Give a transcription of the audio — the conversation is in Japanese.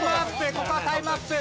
ここはタイムアップ。